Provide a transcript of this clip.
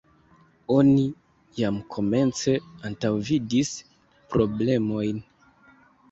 Oni jam komence antaŭvidis problemojn.